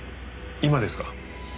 今ですか？